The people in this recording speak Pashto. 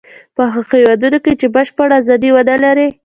په هغو هېوادونو کې چې بشپړه ازادي و نه لري.